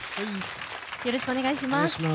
よろしくお願いします。